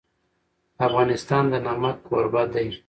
افغانستان د نمک کوربه دی.